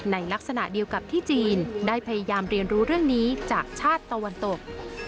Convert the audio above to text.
ในลักษณะเดียวกับที่จีนได้พยายามเรียนรู้เรื่องนี้จากชาติตะวันตก